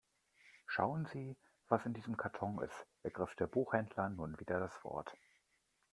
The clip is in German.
Schauen Sie, was in diesem Karton ist, ergriff der Buchhändler nun wieder das Wort.